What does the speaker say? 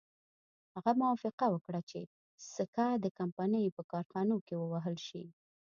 هغه موافقه وکړه چې سکه د کمپنۍ په کارخانو کې ووهل شي.